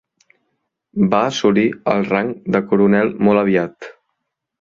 Va assolir el rang de coronel molt aviat.